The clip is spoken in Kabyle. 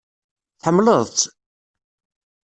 Tḥemmleḍ-tt?